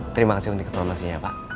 terima kasih untuk informasinya pak